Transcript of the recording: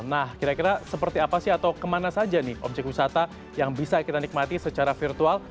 nah kira kira seperti apa sih atau kemana saja nih objek wisata yang bisa kita nikmati secara virtual